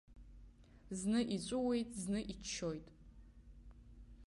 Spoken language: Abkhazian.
Зны иҵәыуоит, зны иччоит.